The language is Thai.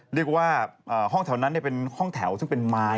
เรียกว่าห้องแถวนั้นเป็นห้องแถวซึ่งเป็นไม้